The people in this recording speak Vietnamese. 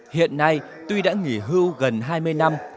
hiện nay tuy đã nghỉ hưu gần hai mươi năm